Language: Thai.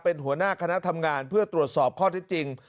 เป็นหัวหน้าคณะทำงานเพื่อตรวจสอบข้อที่จริง